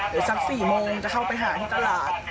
เดี๋ยวสัก๔โมงจะเข้าไปหาที่ตลาด